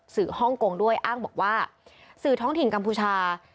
ฮ่องกงด้วยอ้างบอกว่าสื่อท้องถิ่นกัมพูชา